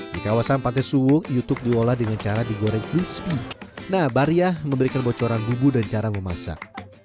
di kawasan pantai suwo youtube diolah dengan cara digoreng crispy nah bariah memberikan bocoran bubu dan cara memasak